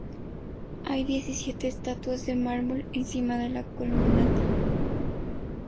Hay diecisiete estatuas de mármol encima de la Columnata.